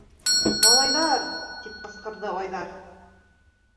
- Малайҙар! - тип ҡысҡырҙы Айҙар.